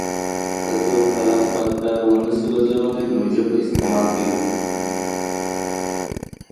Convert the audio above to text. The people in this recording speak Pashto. که څوک په لاس بد کار ونه شي بدلولای، نو ژبه استعمال کړي.